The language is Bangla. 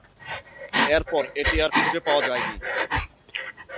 এরপর এটি আর খুঁজে পাওয়া যায়নি।